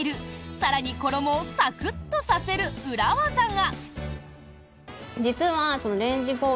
更に衣をサクッとさせる裏ワザが。